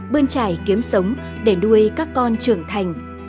bơn trải kiếm sống để nuôi các con trưởng thành